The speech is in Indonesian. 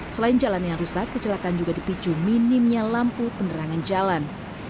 selain jalan yang rusak kecelakaan juga dipicu minimnya lampu penerangan jalan